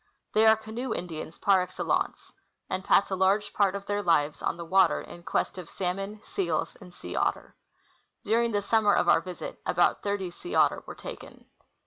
They are canoe Indians jjar excellence, and pass a large part of their lives on the water in quest of salmon, seals, and sea otter. During the sum mer of our visit, about thirty sea otter were taken.